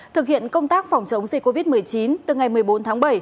thực hiện công tác phòng chống dịch covid một mươi chín từ ngày một mươi bốn tháng bảy